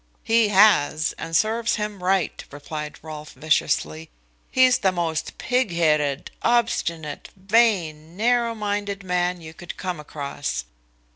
"He has, and serves him right," replied Rolfe viciously. "He's the most pig headed, obstinate, vain, narrow minded man you could come across."